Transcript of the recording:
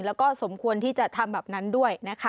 แล้วก็สมควรที่จะทำแบบนั้นด้วยนะคะ